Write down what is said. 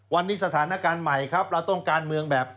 วันนี้สถานการณ์ใหม่ครับเราต้องการเมืองแบบ